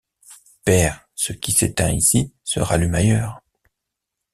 Père, ce qui s’éteint ici se rallume ailleurs.